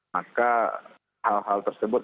maka hal hal tersebut